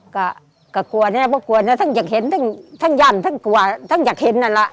ก็ก็กลัวเนี่ยก็กลัวเนี่ยทั้งอยากเห็นทั้งทั้งยั่นทั้งกลัวทั้งอยากเห็นนั่นแหละ